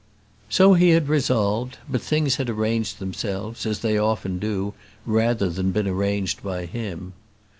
So he had resolved; but things had arranged themselves, as they often do, rather than been arranged by him.